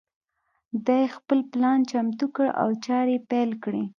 دای خپل پلان چمتو کړ او چارې پیل کړې.